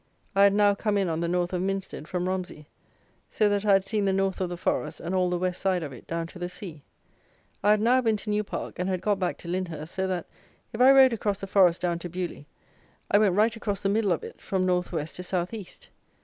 I had now come in on the north of Minstead from Romsey, so that I had seen the north of the Forest and all the west side of it, down to the sea. I had now been to New Park and had got back to Lyndhurst; so that, if I rode across the Forest down to Beaulieu, I went right across the middle of it, from north west to south east.